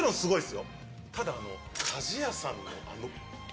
ただ鍛冶屋さんのあの。